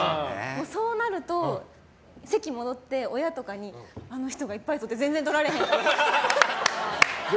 そうなると席に戻って親とかにあの人がいっぱい取って全然取られへんかった。